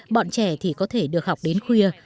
bọn trẻ thì có thể được học đến khuya